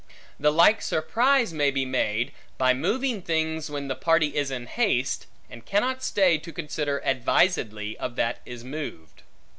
The like surprise may be made by moving things, when the party is in haste, and cannot stay to consider advisedly of that is moved.